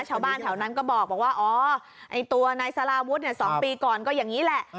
ชาวบ้านแถวนั้นก็บอกว่าอ๋อไอ้ตัวนายสาราวุฒิเนี่ย๒ปีก่อนก็อย่างนี้แหละ